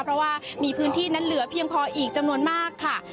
เพราะว่ามีพื้นที่นั้นเหลือเพียงพออีกจำนวนมากค่ะ